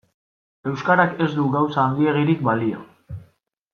Euskarak ez du gauza handiegirik balio.